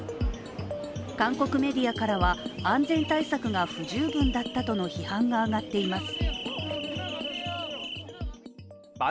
韓国メディアからは、安全対策が不十分だったとの批判が上がっています。